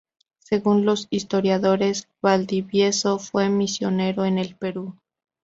Según los historiadores, Valdivieso fue misionero en el Perú.